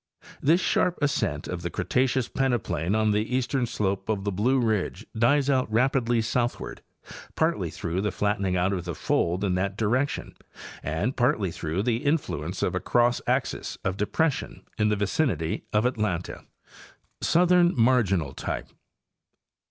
This sharp ascent of the Cretaceous peneplain on the eastern slope of the Blue ridge dies out rapidly southward, partly through the flattening out of the fold in that direction and partly through the influence of a cross axis of depression in the vicinity of Atlanta. Southern marginal Type.